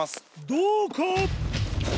どうか？